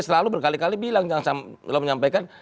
selalu berkali kali bilang jangan menyampaikan